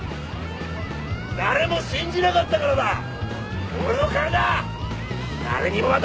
誰も信じなかったからだ！